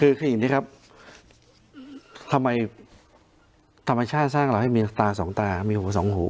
คืออย่างนี้ครับทำไมธรรมชาติสร้างเราให้มีตาสองตามีหูสองหู